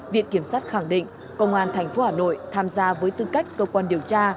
viện kiểm sát khẳng định công an tp hà nội tham gia với tư cách cơ quan điều tra